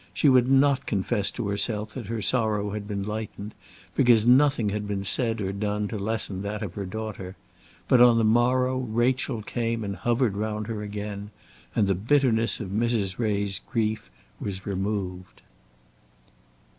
She would not confess to herself that her sorrow had been lightened, because nothing had been said or done to lessen that of her daughter; but on the morrow Rachel came and hovered round her again, and the bitterness of Mrs. Ray's grief was removed.